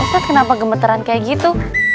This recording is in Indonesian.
ustadz kenapa gemeteran kayak gitu